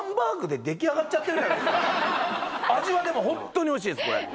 味はでもホントにおいしいですこれ。